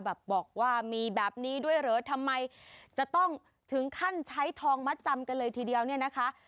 บอกว่ามีแบบนี้ด้วยเหรอทำไมจะต้องถึงขั้นใช้ทองมัดจำกันเลยทีเดียวเนี่ยนะคะ